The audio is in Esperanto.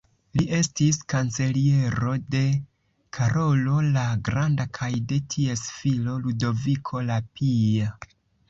Li estis kanceliero de Karolo la Granda kaj de ties filo Ludoviko la Pia.